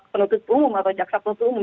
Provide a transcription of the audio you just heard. penutup umum atau jaksa penutup umum